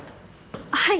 はい。